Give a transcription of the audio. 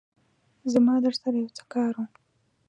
زما درسره يو څه کار وو